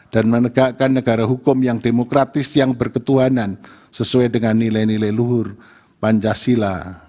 dan menegakkan negara hukum yang demokratis yang berketuhanan sesuai dengan nilai nilai tersebut